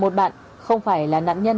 một bạn không phải là nạn nhân